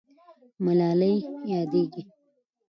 ملالۍ یادېږي.